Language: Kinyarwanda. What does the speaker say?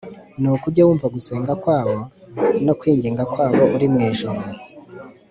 nuko ujye wumva gusenga kwabo no kwinginga kwabo uri mu ijuru,